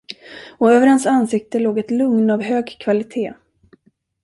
Och över hans ansikte låg ett lugn av hög kvalitet.